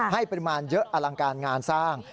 ให้ปริมาณเยอะอลังการงานสร้าง